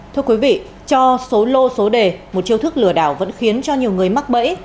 thưa quý vị cho số lô số đề một chiêu thức lừa đảo vẫn khiến cho nhiều người mắc bẫy